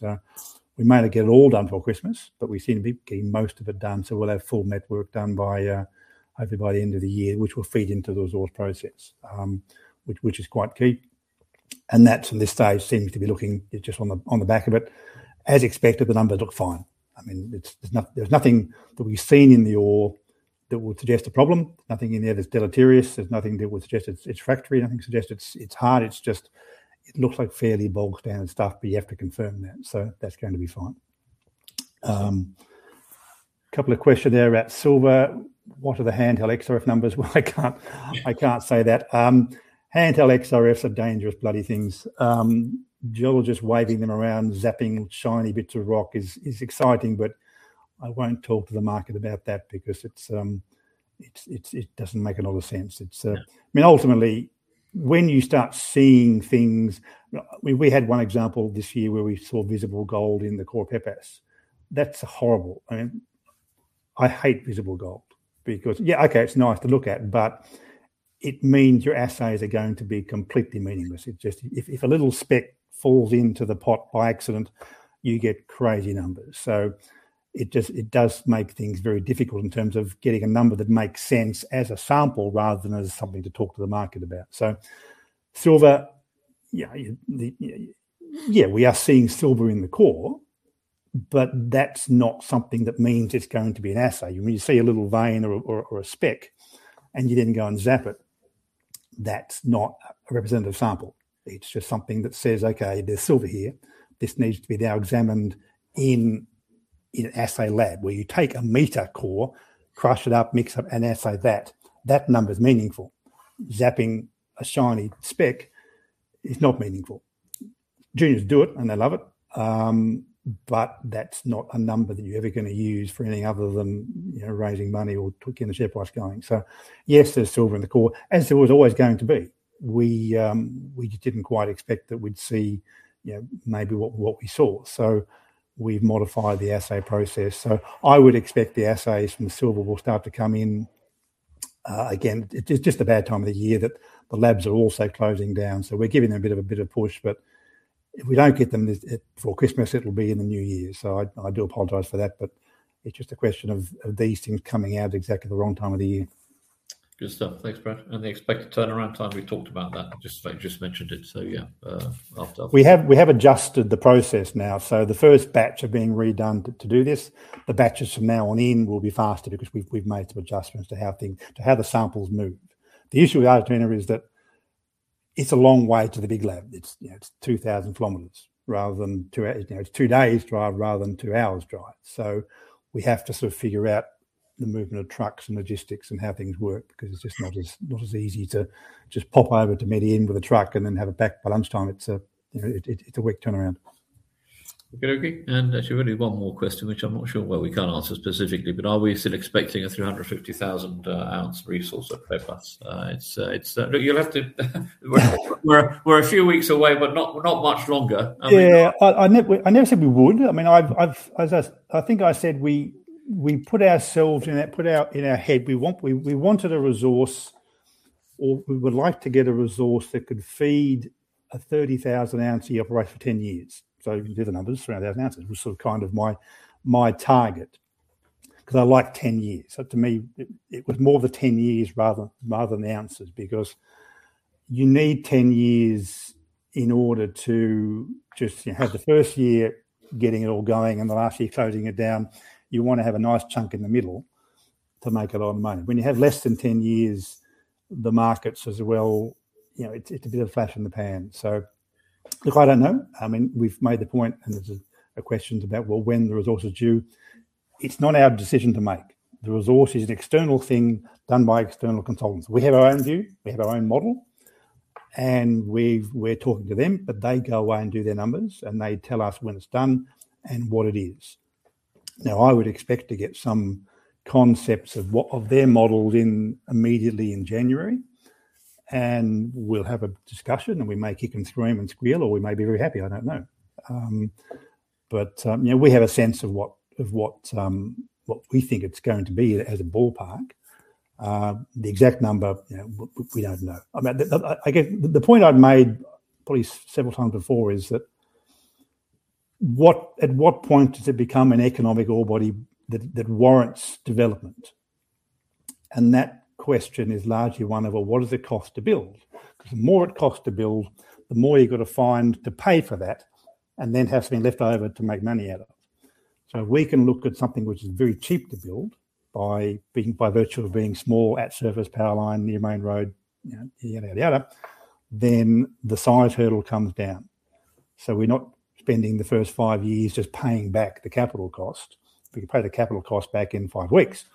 We may not get it all done for Christmas, but we seem to be getting most of it done, so we'll have full met work done hopefully by the end of the year, which will feed into the resource process. Which is quite key. That from this stage seems to be looking, just on the back of it, as expected, the numbers look fine. I mean, it's, there's nothing that we've seen in the ore that would suggest a problem. Nothing in there that's deleterious. There's nothing that would suggest it's refractory. Nothing suggests it's hard. It's just, it looks like fairly blocky stuff, but you have to confirm that, so that's going to be fine. Couple of questions there about silver. What are the handheld XRF numbers? Well, I can't say that. Handheld XRFs are dangerous bloody things. Geologists waving them around, zapping shiny bits of rock is exciting, but I won't talk to the market about that because it's, it doesn't make a lot of sense. I mean, ultimately, when you start seeing things. I mean, we had one example this year where we saw visible gold in the core Pepas. That's horrible. I mean, I hate visible gold because, yeah, okay, it's nice to look at, but it means your assays are going to be completely meaningless. It just. If a little speck falls into the pot by accident, you get crazy numbers. So it just, it does make things very difficult in terms of getting a number that makes sense as a sample rather than as something to talk to the market about. So silver, yeah, we are seeing silver in the core, but that's not something that means it's going to be an assay. When you see a little vein or a speck and you didn't go and zap it, that's not a representative sample. It's just something that says, okay, there's silver here. This needs to be now examined in an assay lab where you take a meter core, crush it up, mix it up and assay that. That number's meaningful. Zapping a shiny speck is not meaningful. Geologists do it, and they love it. But that's not a number that you're ever gonna use for anything other than, you know, raising money or keeping the share price going. Yes, there's silver in the core, as there was always going to be. We didn't quite expect that we'd see, you know, maybe what we saw. We've modified the assay process. I would expect the assays from the silver will start to come in. Again, it's just a bad time of the year that the labs are also closing down, so we're giving them a bit of a push. But if we don't get them this before Christmas, it'll be in the new year. I do apologize for that, but it's just a question of these things coming out at exactly the wrong time of the year. Good stuff. Thanks, Brad. The expected turnaround time, we've talked about that. Just mentioned it, so yeah. After- We have adjusted the process now. The first batch are being redone to do this. The batches from now on in will be faster because we've made some adjustments to how the samples move. The issue we have at the moment is that it's a long way to the big lab. It's you know it's 2,000 kilometers rather than you know it's two days drive rather than two hours drive. We have to sort of figure out the movement of trucks and logistics and how things work because it's just not as easy to just pop over to Medellín with a truck and then have it back by lunchtime. It's you know it's a week turnaround. Okay, great. Actually, only one more question, which I'm not sure whether we can answer specifically, but are we still expecting a 350,000 ounce resource of Pepas? It's a few weeks away, but not much longer. I mean Yeah. I never said we would. I mean, I've. As I think I said, we put out in our head, we wanted a resource or we would like to get a resource that could feed a 30,000 ounce year operate for 10 years. Do the numbers, 300,000 ounces was sort of kind of my target. 'Cause I like 10 years. To me it was more the 10 years rather than the ounces because you need 10 years in order to just, you know, have the first year getting it all going and the last year closing it down. You want to have a nice chunk in the middle to make a lot of money. When you have less than ten years, the markets as well, you know, it's a bit of a flash in the pan. Look, I don't know. I mean, we've made the point, and there's a question about, well, when the resource is due. It's not our decision to make. The resource is an external thing done by external consultants. We have our own view, we have our own model, and we're talking to them, but they go away and do their numbers, and they tell us when it's done and what it is. Now, I would expect to get some concepts of what of their models immediately in January. We'll have a discussion, and we may kick and scream and squeal, or we may be very happy, I don't know. You know, we have a sense of what we think it's going to be as a ballpark. The exact number, you know, we don't know. I mean, I guess the point I've made probably several times before is that at what point does it become an economic ore body that warrants development? That question is largely one of, well, what does it cost to build? 'Cause the more it costs to build, the more you've got to find to pay for that, and then have something left over to make money out of. If we can look at something which is very cheap to build by virtue of being small, at-surface power line, near main road, you know, ya da ya da, then the size hurdle comes down. We're not spending the first five years just paying back the capital cost. We can pay the capital cost back in 5 weeks.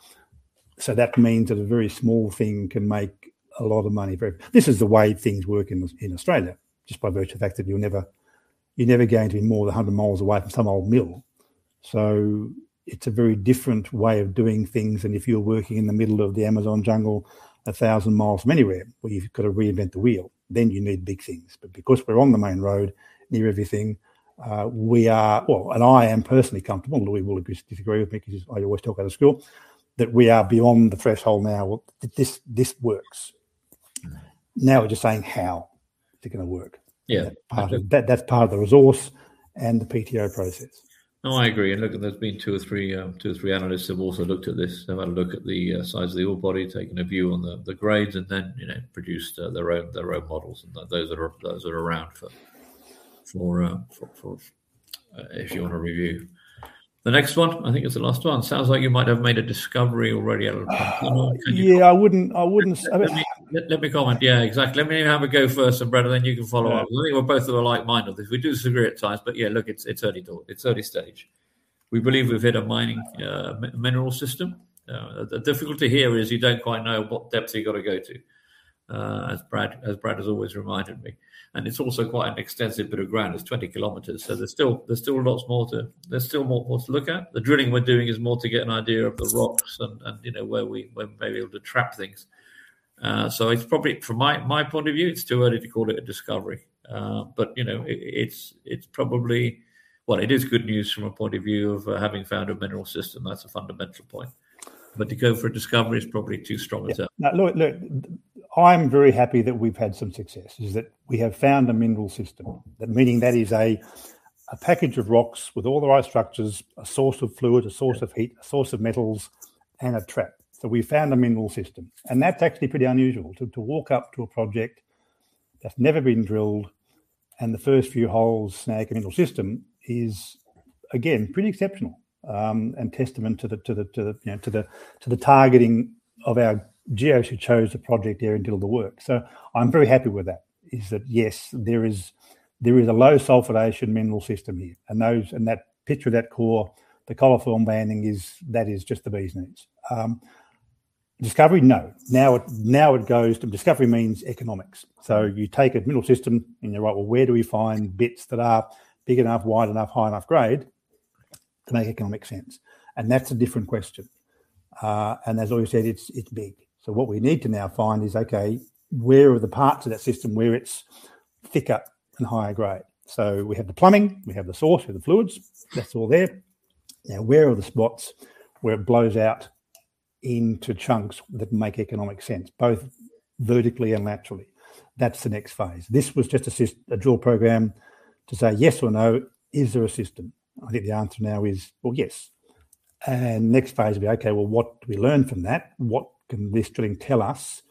That means that a very small thing can make a lot of money very. This is the way things work in Australia, just by virtue of the fact that you're never going to be more than 100 miles away from some old mill. It's a very different way of doing things than if you're working in the middle of the Amazon jungle, 1,000 miles from anywhere, where you've got to reinvent the wheel, then you need big things. Because we're on the main road near everything, we are. Well, and I am personally comfortable, and Louis will agree to disagree with me because I always talk out of school, that we are beyond the threshold now. Well, this works. Now we're just saying how it's gonna work. Yeah. That's part of the resource and the PTO process. No, I agree. Look, there's been two or three analysts have also looked at this. They've had a look at the size of the ore body, taken a view on the grades, and then you know produced their own models and those are around for if you want to review. The next one, I think it's the last one, sounds like you might have made a discovery already at El Pantano. Yeah. I wouldn't. Let me comment. Yeah, exactly. Let me have a go first, and Brad, then you can follow up. All right. I believe we're both of a like mind on this. We do disagree at times, but yeah, look, it's early talk. It's early stage. We believe we've hit a mining mineral system. The difficulty here is you don't quite know what depth you've got to go to, as Brad has always reminded me, and it's also quite an extensive bit of ground. It's 20 km. So there's still lots more to look at. The drilling we're doing is more to get an idea of the rocks and, you know, where we may be able to trap things. So it's probably, from my point of view, it's too early to call it a discovery. But you know, it's probably. Well, it is good news from a point of view of having found a mineral system. That's a fundamental point. To go for a discovery is probably too strong a term. Yeah. Now, look, I'm very happy that we've had some success in that we have found a mineral system. Mm-hmm. Meaning that is a package of rocks with all the right structures, a source of fluid Yeah a source of heat, a source of metals, and a trap. We've found a mineral system, and that's actually pretty unusual. To walk up to a project that's never been drilled and the first few holes snag a mineral system is, again, pretty exceptional, and testament to the, you know, targeting of our geo who chose the project there and did all the work. I'm very happy with that. Yes, there is a low-sulfidation mineral system here. That picture of that core, the colloform banding is just the bee's knees. Discovery? No. Now it goes to discovery. Discovery means economics. You take a mineral system, and you're like, "Well, where do we find bits that are big enough, wide enough, high enough grade to make economic sense?" That's a different question. As Louis said, it's big. What we need to now find is, okay, where are the parts of that system where it's thicker and higher grade? We have the plumbing, we have the source for the fluids. That's all there. Now, where are the spots where it blows out into chunks that make economic sense, both vertically and laterally? That's the next phase. This was just a drill program to say yes or no, is there a system? I think the answer now is, well, yes. Next phase will be, okay, well, what do we learn from that? What can this drilling tell us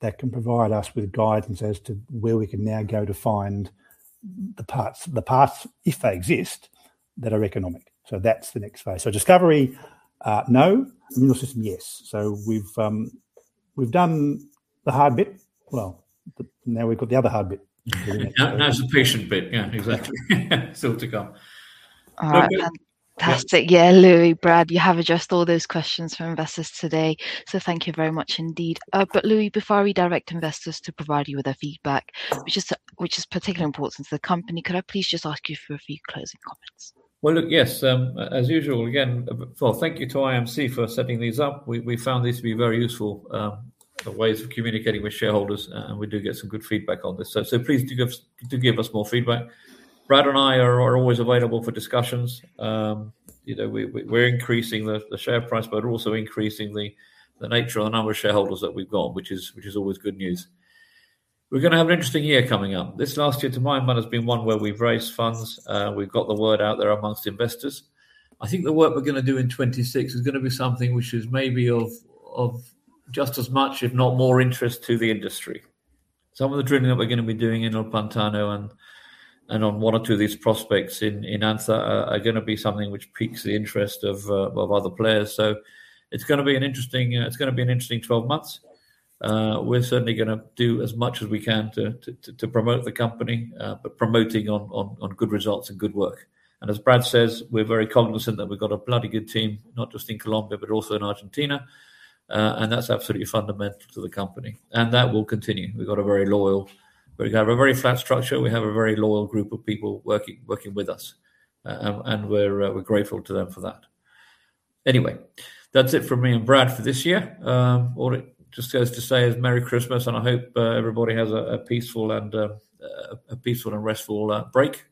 that can provide us with guidance as to where we can now go to find the parts, if they exist, that are economic? That's the next phase. Discovery, no. Mineral system, yes. We've done the hard bit. Well, now we've got the other hard bit. Now it's the patient bit. Yeah, exactly. Still to come. All right. Fantastic. Yes. Yeah. Louis, Brad, you have addressed all those questions from investors today, so thank you very much indeed. Louis, before I redirect investors to provide you with their feedback, which is particularly important to the company, could I please just ask you for a few closing comments? Well look, yes, as usual, again, well, thank you to IMC for setting these up. We found this to be very useful ways of communicating with shareholders, and we do get some good feedback on this. Please do give us more feedback. Brad and I are always available for discussions. You know, we're increasing the share price but also increasing the nature and the number of shareholders that we've got, which is always good news. We're gonna have an interesting year coming up. This last year, to my mind, has been one where we've raised funds, we've got the word out there amongst investors. I think the work we're gonna do in 2026 is gonna be something which is maybe of just as much, if not more interest to the industry. Some of the drilling that we're gonna be doing in El Pantano and on one or two of these prospects in Anzá are gonna be something which piques the interest of other players. It's gonna be an interesting 12 months. We're certainly gonna do as much as we can to promote the company, but promoting on good results and good work. As Brad says, we're very cognizant that we've got a bloody good team, not just in Colombia, but also in Argentina, and that's absolutely fundamental to the company. That will continue. We have a very flat structure. We have a very loyal group of people working with us, and we're grateful to them for that. Anyway, that's it from me and Brad for this year. All it just goes to say is Merry Christmas, and I hope everybody has a peaceful and restful break.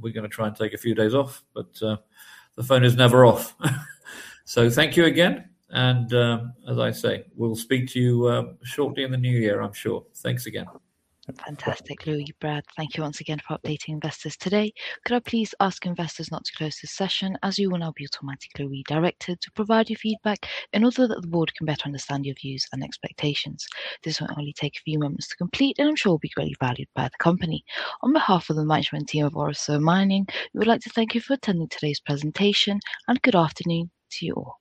We're gonna try and take a few days off, but the phone is never off. Thank you again, and as I say, we'll speak to you shortly in the new year, I'm sure. Thanks again. Fantastic. Louis, Brad, thank you once again for updating investors today. Could I please ask investors not to close this session, as you will now be automatically redirected to provide your feedback in order that the board can better understand your views and expectations. This will only take a few moments to complete and I'm sure will be greatly valued by the company. On behalf of the management team of Orosur Mining, we would like to thank you for attending today's presentation, and good afternoon to you all. Thank you.